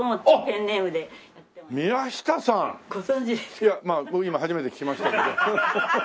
いや今初めて聞きましたけど。